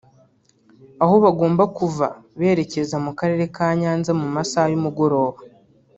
aho bagombaga kuva berekeza mu Karere ka Nyanza mu masaha y’umugoroba